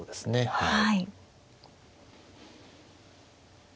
はい。